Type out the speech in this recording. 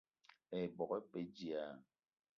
Ebok e pe dilaah?